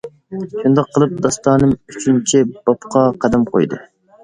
شۇنداق قىلىپ داستانىم ئۈچىنچى بابقا قەدەم قويدى.